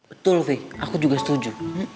betul aku juga setuju